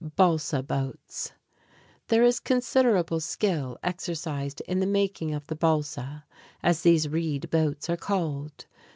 Balsa Boats There is considerable skill exercised in the making of the balsa, as these reed boats are called.